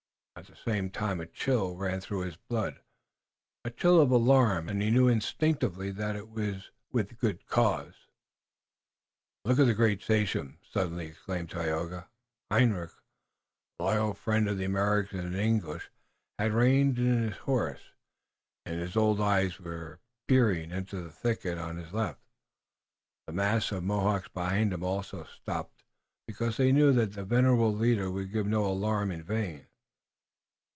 At the same time a chill ran through his blood, a chill of alarm, and he knew instinctively that it was with good cause. "Look at the great sachem!" suddenly exclaimed Tayoga. Hendrik, loyal friend of the Americans and English, had reined in his horse, and his old eyes were peering into the thicket on his left, the mass of Mohawks behind him also stopping, because they knew their venerable leader would give no alarm in vain.